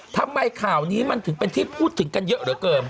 ทำไมข่าวนี้มันถึงเป็นที่พูดถึงกันเยอะเหลือเกิน